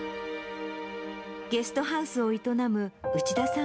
ゲストハウスを営む内田さん